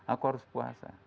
aku harus puasa